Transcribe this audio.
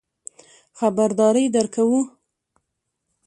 خبرداری درکوو.